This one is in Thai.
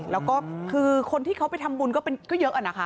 แล้วก็คือคนที่เขาไปทำบุญก็เยอะอะนะคะ